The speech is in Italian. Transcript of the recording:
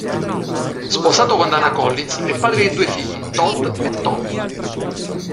Sposato con Dana Collins, è padre di due figli, Todd e Toby.